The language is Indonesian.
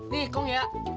nih kong ya